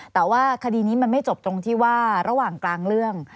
แต่ว่าคดีนี้มันไม่จบตรงที่ว่าระหว่างกลางเรื่อง